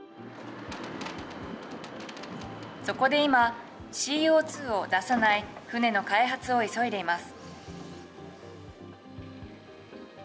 そこで今、ＣＯ２を出さない船の開発を急いでいます。